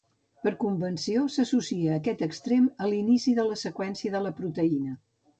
Per convenció, s'associa aquest extrem a l'inici de la seqüència de la proteïna.